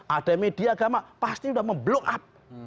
ada media agama pasti sudah memblow up